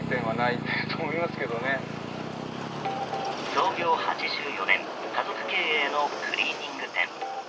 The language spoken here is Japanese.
創業８４年家族経営のクリーニング店。